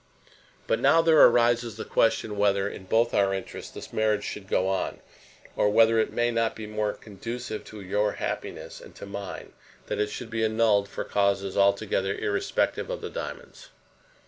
] But now there arises the question whether, in both our interests, this marriage should go on, or whether it may not be more conducive to your happiness and to mine that it should be annulled for causes altogether irrespective of the diamonds.